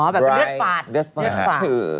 แบบเลือดฝาด